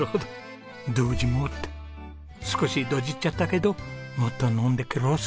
少しドジっちゃったけどもっと飲んでケロッス。